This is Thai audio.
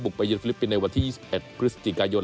ไปเยฟิลิปปินส์ในวันที่๒๑พฤศจิกายน